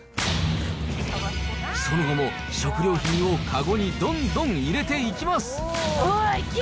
その後も食料品を籠にどんどん入れていきます。